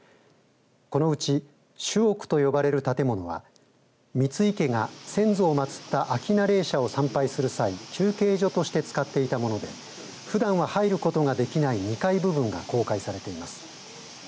このうち主屋と呼ばれる建物は三井家が先祖をまつった顕名霊社を参拝する際休憩所として使っていたものでふだんは入ることができない２階部分が公開されています。